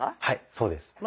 はいそうです。